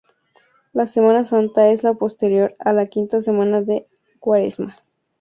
La Semana Santa es la posterior a la quinta semana de Cuaresma.